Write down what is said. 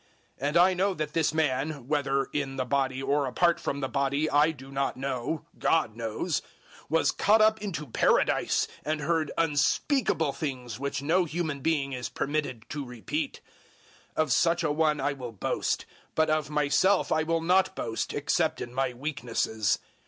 012:003 And I know that this man whether in the body or apart from the body I do not know; 012:004 God knows was caught up into Paradise and heard unspeakable things which no human being is permitted to repeat. 012:005 Of such a one I will boast; but of myself I will not boast, except in my weaknesses.